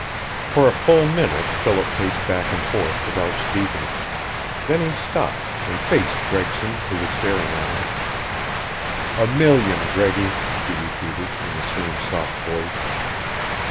III For a full minute Philip paced back and forth without speaking. Then he stopped, and faced Gregson, who was staring at him. "A million, Greggy," he repeated, in the same soft voice.